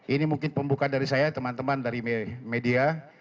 ini mungkin pembuka dari saya teman teman dari media